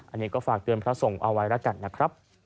อันนี้ก็ฝากเตือนพระสงฆ์เอาไว้แล้วกันนะครับ